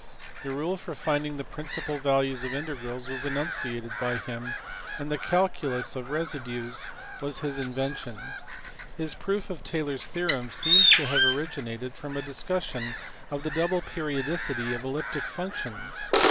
The rule for finding the principal values of integrals was enunciated by him ; and the calculus of resi 474 CAUCHY. ARGAND. SIR WILLIAM HAMILTON. dues was his invention. His proof of Taylor s theorem seems to have originated from a discussion of the double periodicity of elliptic functions.